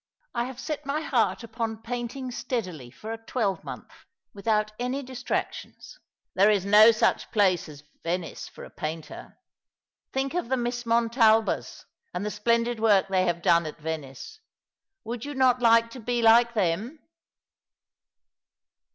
I have set my heart upon painting steadily for a twelvemonth, without any distractions." " There is no such place as Venice for a painter. Think of the Miss Montalbas, and the splendid work they have done at Venice. Would you not like to be like them